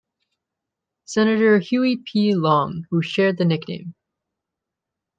Senator Huey P. Long who shared the nickname.